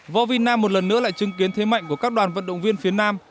võ vi nam một lần nữa lại chứng kiến thế mạnh của các đoàn vận động viên phía nam